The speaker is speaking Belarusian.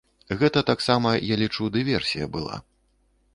Гэта таксама, я лічу, дыверсія была.